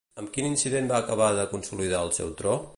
Amb quin incident va acabar de consolidar el seu tro?